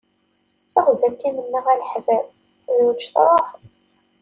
Taɣzalt i mennaɣ a leḥbab, tezweǧ truḥ.